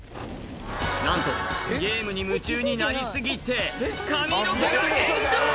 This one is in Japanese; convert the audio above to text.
なんとゲームに夢中になり過ぎて髪の毛が炎上！